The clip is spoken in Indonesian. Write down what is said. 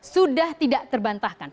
sudah tidak terbantahkan